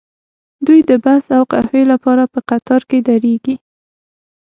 دوی د بس او قهوې لپاره په قطار کې دریږي